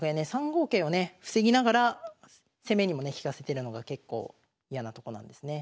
３五桂をね防ぎながら攻めにもね利かせてるのが結構嫌なとこなんですね。